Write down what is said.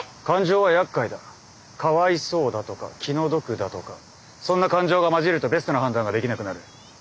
かわいそうだとか気の毒だとかそんな感情が混じるとベストな判断ができなくなる。